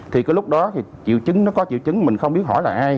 thì cái lúc đó thì triệu chứng nó có triệu chứng mình không biết hỏi là ai